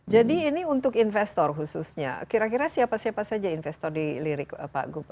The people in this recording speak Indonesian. jadi ini untuk investor khususnya kira kira siapa siapa saja investor di lirik pak gub